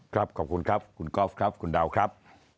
ขอบคุณครับคุณกอล์ฟครับคุณดาวครับ